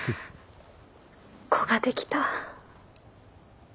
子ができた。